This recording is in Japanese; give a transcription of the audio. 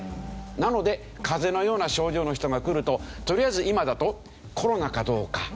なので風邪のような症状の人が来るととりあえず今だとコロナかどうか。